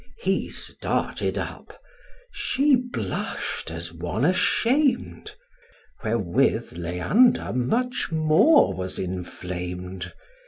He started up; she blush'd as one asham'd; Wherewith Leander much more was inflam'd.